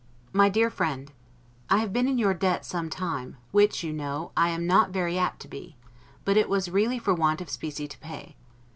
MY DEAR FRIEND: I have been in your debt some time, which, you know, I am not very apt to be: but it was really for want of specie to pay.